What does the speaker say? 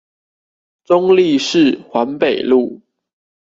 中壢市環北路